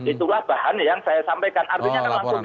itulah bahan yang saya sampaikan